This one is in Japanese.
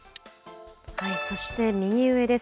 そして右上です。